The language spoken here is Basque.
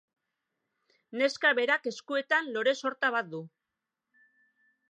Neska berak eskuetan lore sorta bat du.